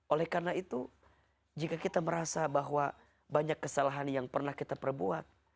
oleh karena itu jika kita merasa bahwa banyak kesalahan yang pernah kita perbuat